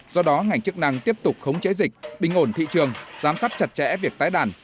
do đó ngành chức năng tiếp tục khống chế dịch bình ổn thị trường giám sát chặt chẽ việc tái đàn